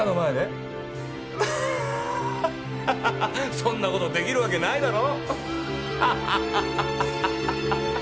そんなことできるわけないだろ？